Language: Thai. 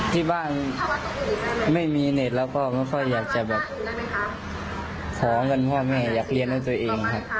ที่บ้านไม่มีเน็ตแล้วก็ไม่ค่อยอยากจะแบบขอเงินพ่อแม่อยากเรียนให้ตัวเองครับ